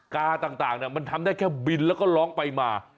กาต่างมันทำได้แค่บินแล้วก็ร้องไปมา